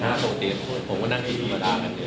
ถ้าโปรดเตรียมพูดผมก็นั่งที่ภูมิภาคกันเดี๋ยว